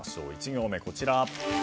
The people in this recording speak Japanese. １行目はこちら。